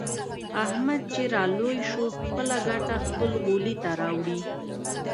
احمد چې را لوی شو. خپله ګټه خپل غولي ته راوړي.